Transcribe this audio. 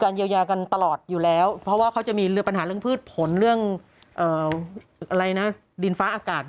เรื่องพืชผลเรื่องดินฟ้าอากาศ